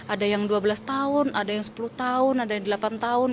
ada yang dua belas tahun ada yang sepuluh tahun ada yang delapan tahun